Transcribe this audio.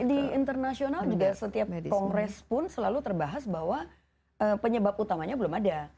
di internasional juga setiap kongres pun selalu terbahas bahwa penyebab utamanya belum ada